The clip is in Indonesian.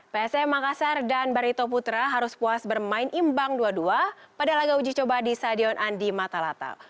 psm makassar dan barito putra harus puas bermain imbang dua dua pada laga uji coba di stadion andi matalata